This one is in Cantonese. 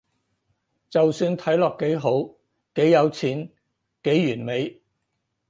就算睇落幾好，幾有錢，幾完美